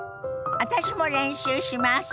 私も練習します！